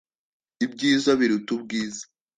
ibyiza biruta ubwiza